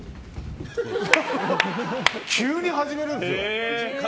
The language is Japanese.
急に始めるんですよ。